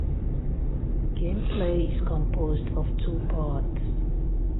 Game play is composed of two parts.